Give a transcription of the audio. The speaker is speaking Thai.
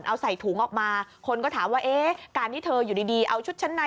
เอาใส่ถุงออกมาคนก็ถามว่าเอ๊ะการที่เธออยู่ดีเอาชุดชั้นใน